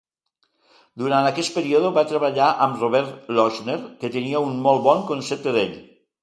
Durant aquest període va treballar amb Robert Lochner, que tenia un molt bon concepte d'ell.